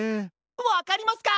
わかりますか！